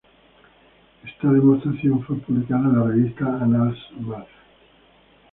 Esta demostración fue publicada en la revista "Annals Math.